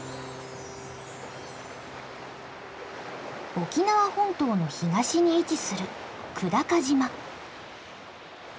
沖縄本島の東に位置する久高島。